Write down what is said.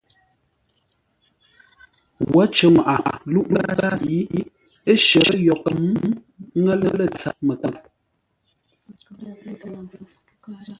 Wǒ cər ŋwaʼa Lúʼkáasʉ ə́ shərə́ yo kəm nŋə́ lə̂ tsâr məkár.